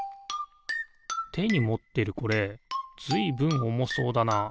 てにもってるこれずいぶんおもそうだな。